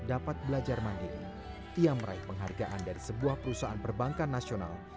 dapat belajar mandiri tia meraih penghargaan dari sebuah perusahaan perbankan nasional